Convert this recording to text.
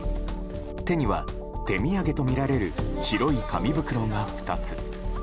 手には手土産とみられる白い紙袋が２つ。